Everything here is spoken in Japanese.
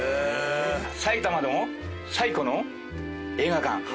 埼玉でも最古の映画館。